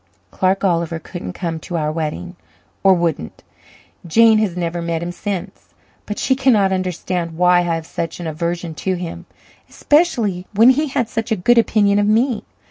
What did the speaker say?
Clark Oliver couldn't come to our wedding or wouldn't. Jane has never met him since, but she cannot understand why I have such an aversion to him, especially when he has such a good opinion of me.